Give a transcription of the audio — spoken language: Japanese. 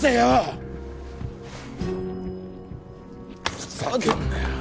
ふざけんなよ。